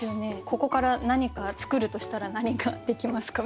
ここから何か作るとしたら何ができますか？